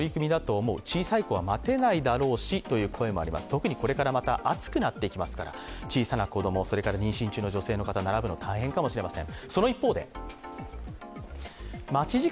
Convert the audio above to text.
特にこれからまた暑くなっていきますから小さな子供それから妊娠中の女性の方並ぶの、大変かもしれません。